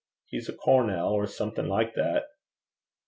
He's a cornel, or something like that.'